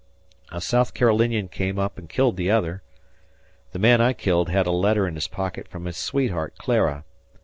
A South Carolinian came up and killed the other. ... The man I killed had a letter in his pocket from his sweetheart Clara.